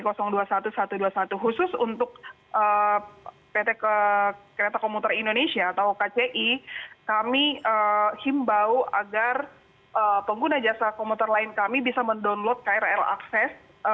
khusus untuk pt kereta komuter indonesia atau kci kami himbau agar pengguna jasa komuter lain kami bisa mendownload krl akses